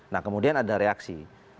nah kemudian ada reaksi